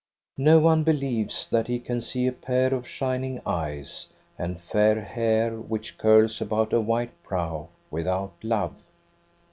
No one believes that he can see a pair (if shining eyes, and fair hair which curls about a wliite brow, \vithout love.